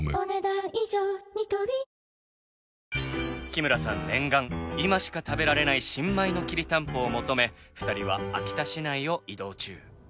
日村さん念願今しか食べられない新米のきりたんぽを求め２人は秋田市内を移動中。